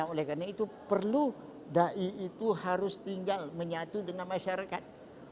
oleh karena itu perlu da'i itu harus tinggal menyatu dengan masyarakat